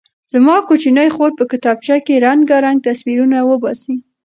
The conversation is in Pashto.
زما کوچنۍ خور په کتابچه کې رنګارنګ تصویرونه وباسي.